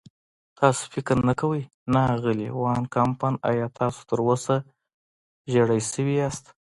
تاسې فکر نه کوئ؟ نه، اغلې وان کمپن، ایا تاسې تراوسه ژېړی شوي یاست؟